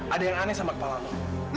ada yang aneh sama kepala aku